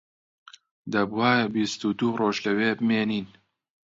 دەبوایە بیست و دوو ڕۆژ لەوێ بمێنین